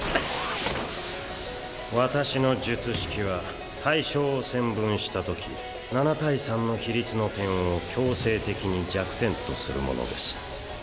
私の術式は対象を線分したとき７対３の比率の点を強制的に弱点とするものです。